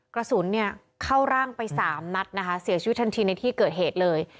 กระสุนเนี่ยเข้าร่างไปสามนัดนะคะเสียชีวิตทันทีในที่เกิดเหตุเลย